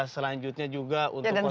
selanjutnya juga untuk konservasi